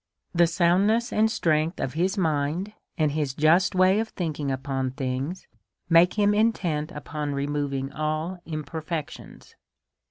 The soundness and strength of his mind, and his just way of thinking upon things, make him intent upon removing all imperfections.